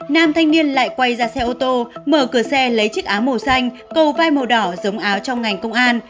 nam thanh niên lại quay ra xe ô tô mở cửa xe lấy chiếc áo màu xanh cầu vai màu đỏ giống áo trong ngành công an